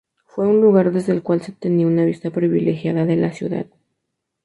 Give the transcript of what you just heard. Fue un lugar desde el cual se tenía una vista privilegiada de la ciudad.